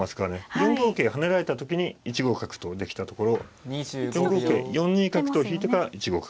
４五桂跳ねられた時に１五角とできたところを４五桂４二角と引いてから１五角。